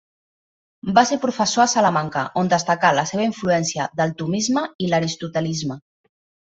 Va ser professor a Salamanca, on destacà la seva influència del tomisme i l'aristotelisme.